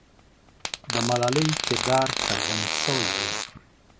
د ملالۍ کردار څرګند سوی دی.